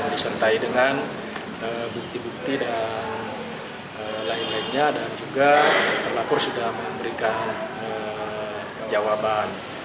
disertai dengan bukti bukti dan lain lainnya dan juga terlapor sudah memberikan jawaban